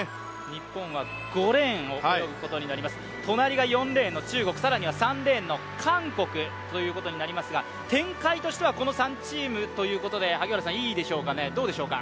日本は５レーンを泳ぐことになります、隣が４レーンの中国、更には３レーンの韓国ということになりますが、展開としては、この３チームということでいいでしょうか？